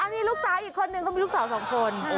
มีลูกสาวอีกคนนึงเขามีลูกสาวสองคน